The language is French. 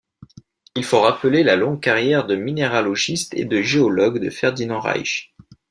Il faut rappeler la longue carrière de minéralogiste et de géologue de Ferdinand Reich.